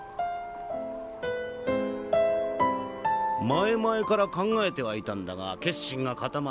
前々から考えてはいたんだが決心が固まった。